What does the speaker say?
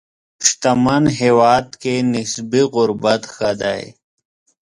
شتمن هېواد کې نسبي غربت ښه دی.